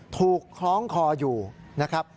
คล้องคออยู่นะครับ